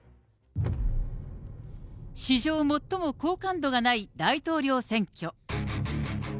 史上最も好感度がない大統領選挙。